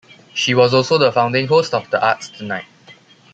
She was also the founding host of "The Arts Tonight".